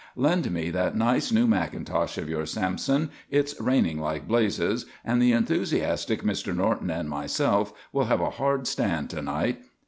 "Lend me that nice, new mackintosh of yours, Sampson. It's raining like blazes and the enthusiastic Mr. Norton and myself will have a hard stand to night.